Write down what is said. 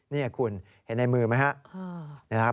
นี่คุณเห็นในมือไหมครับ